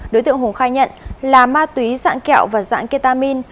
đối tượng hùng khai nhận là ma túy dạng kẹo và dạng ketamin